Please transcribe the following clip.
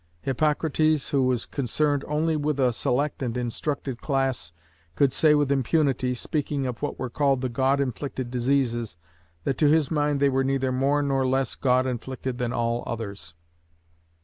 Hippocrates, who was concerned only with a select and instructed class, could say with impunity, speaking of what were called the god inflicted diseases, that to his mind they were neither more nor less god inflicted than all others.